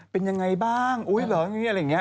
เป็นอย่างไรบ้างอุ๊ยเหรออะไรอย่างนี้